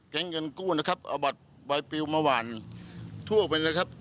แก๊งเงินกู้นะครับเอาบัตรไว้ปริ้วมาหวั่นทั่วไปเลยครับ